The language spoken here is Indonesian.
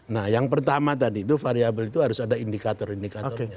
nah yang pertama tadi itu variable itu harus ada indikator indikator